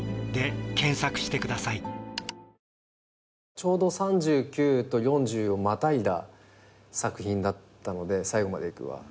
ちょうど３９と４０をまたいだ作品だったので『最後まで行く』は。